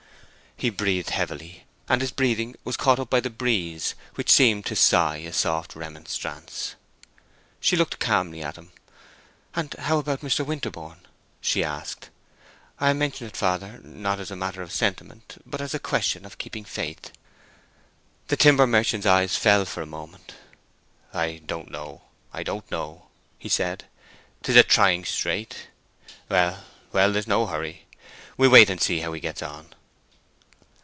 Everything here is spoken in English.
He breathed heavily, and his breathing was caught up by the breeze, which seemed to sigh a soft remonstrance. She looked calmly at him. "And how about Mr. Winterborne?" she asked. "I mention it, father, not as a matter of sentiment, but as a question of keeping faith." The timber merchant's eyes fell for a moment. "I don't know—I don't know," he said. "'Tis a trying strait. Well, well; there's no hurry. We'll wait and see how he gets on."